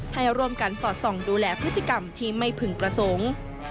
ให้ร่วมกันสอดส่องดูแลพฤติกรรมที่ไม่พึงประสงค์